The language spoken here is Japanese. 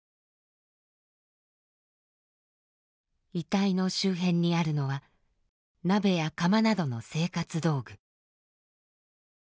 遺体の周辺にあるのは鍋や釜などの生活道具。